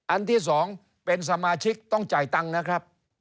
อันที่๒เป็นสมาชิกต้องจ่ายตังค์นะครับ